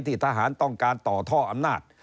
ทหารต้องการต่อท่ออำนาจ